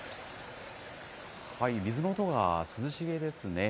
水の音が涼しげですね。